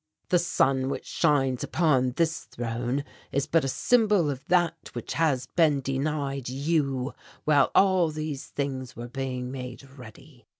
The sun which shines upon this throne is but a symbol of that which has been denied you while all these things were being made ready.